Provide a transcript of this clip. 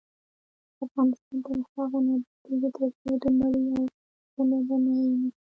افغانستان تر هغو نه ابادیږي، ترڅو د مړي او ژوندي درناوی ونشي.